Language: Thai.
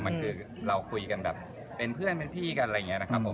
มันคือเราคุยกันแบบเป็นเพื่อนเป็นพี่กันอะไรอย่างนี้นะครับผม